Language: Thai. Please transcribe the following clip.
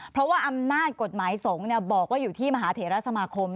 เพราะว่าอำนาจกฎหมายสงฆ์บอกว่าอยู่ที่มหาเถระสมาคม